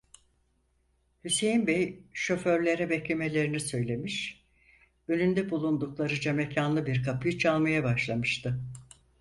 Hüseyin bey şoförlere beklemelerini söylemiş, önünde bulundukları camekânlı bir kapıyı çalmaya başlamıştı.